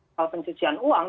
pasal pencucian uang